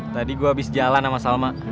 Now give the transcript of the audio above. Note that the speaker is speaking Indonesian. tadi gua abis jalan sama salma